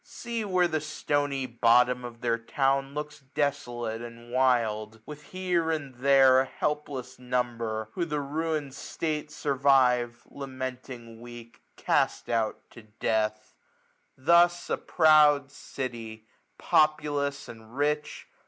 See where the stony bottom of their town 1195 Looks desolate, and wild ; with here and there A helpless number, who the ruin'd state Survive, lamenting weak, cast out to death. Thus a proud city, populous and rich.